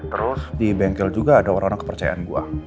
terus di bengkel juga ada orang orang kepercayaan gue